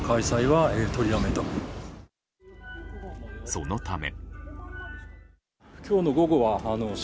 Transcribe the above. そのため。